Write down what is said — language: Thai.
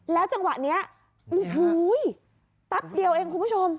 แล้วจังหวะนี้อุ้ยปั๊บเดียวเองคุณผู้ชม